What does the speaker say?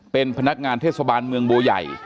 เป็นพนักงานเทศบาลเมืองบัวใหญ่